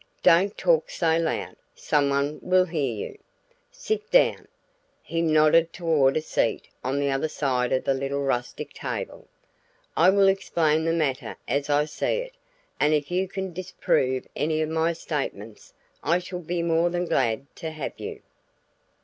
"Don't talk so loud; someone will hear you. Sit down." He nodded toward a seat on the other side of the little rustic table. "I will explain the matter as I see it, and if you can disprove any of my statements I shall be more than glad to have you."